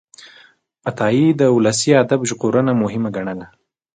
عطایي د ولسي ادب ژغورنه مهمه ګڼله.